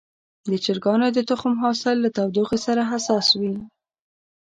د چرګانو د تخم حاصل له تودوخې سره حساس وي.